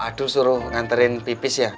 aduh suruh nganterin pipis ya